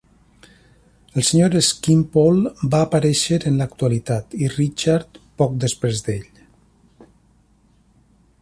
El Sr Skimpole va aparèixer en l'actualitat, i Richard poc després d'ell.